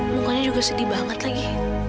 mukanya juga sedih banget lagi